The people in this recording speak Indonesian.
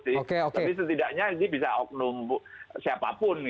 tapi setidaknya ini bisa oknum siapapun